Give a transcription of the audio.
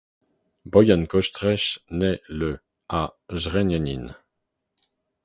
Bojan Kostreš naît le à Zrenjanin.